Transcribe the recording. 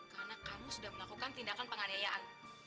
karena kamu sudah melakukan tindakan penganiayaan